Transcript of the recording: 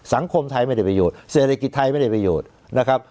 สังคมไทยไม่ได้ประโยชน์เศรษฐกิจไทยไม่ได้ประโยชน์นะครับ